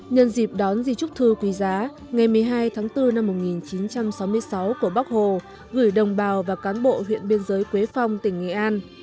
nhân dịp đón di chúc thư quý giá ngày một mươi hai tháng bốn năm một nghìn chín trăm sáu mươi sáu của bắc hồ gửi đồng bào và cán bộ huyện biên giới quế phong tỉnh nghệ an